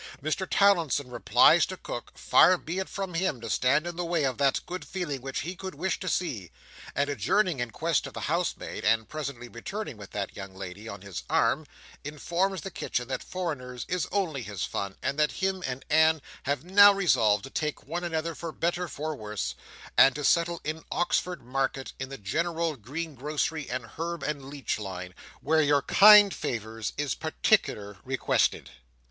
Mr Towlinson replies to Cook, far be it from him to stand in the way of that good feeling which he could wish to see; and adjourning in quest of the housemaid, and presently returning with that young lady on his arm, informs the kitchen that foreigners is only his fun, and that him and Anne have now resolved to take one another for better for worse, and to settle in Oxford Market in the general greengrocery and herb and leech line, where your kind favours is particular requested.